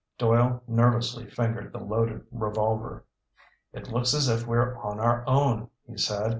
Doyle nervously fingered the loaded revolver. "It looks as if we're on our own," he said.